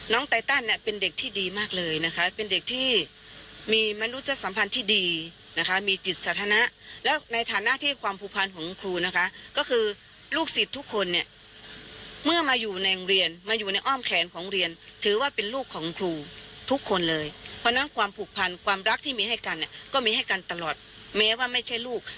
ไตตันเนี่ยเป็นเด็กที่ดีมากเลยนะคะเป็นเด็กที่มีมนุษยสัมพันธ์ที่ดีนะคะมีจิตสาธารณะแล้วในฐานะที่ความผูกพันของครูนะคะก็คือลูกศิษย์ทุกคนเนี่ยเมื่อมาอยู่ในโรงเรียนมาอยู่ในอ้อมแขนของเรียนถือว่าเป็นลูกของครูทุกคนเลยเพราะฉะนั้นความผูกพันความรักที่มีให้กันเนี่ยก็มีให้กันตลอดแม้ว่าไม่ใช่ลูก